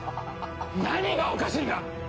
何がおかしいんだ！？